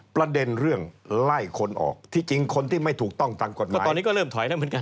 ประเด็นเรื่องไล่คนออกที่จริงค่ะคนที่ไม่ถูกต้องตามกฎมาย